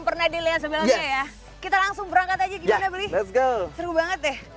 pernah dilihat sebelumnya ya kita langsung berangkat aja kita beli ⁇ s ⁇ go seru banget deh